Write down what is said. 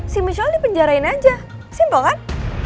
si michelle dipenjarain aja simpel kan